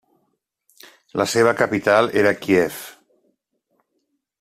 La seva capital era Kíev.